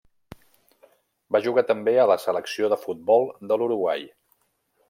Va jugar també a la selecció de futbol de l'Uruguai.